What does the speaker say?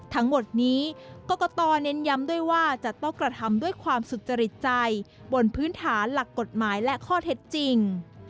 ทั้งหมดนี้กรกตเน้นย้ำด้วยว่าจะต้องกระทำด้วยความสุจริตใจบนพื้นฐานหลักกฎหมายและข้อเท็จจริง